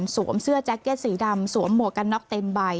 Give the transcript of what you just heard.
เสื้อแจ็คเก็ตสีดำสวมหมวกกันน็อกเต็มใบ